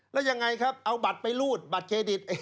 แล้วยังไงครับเอาบัตรไปรูดบัตรเครดิต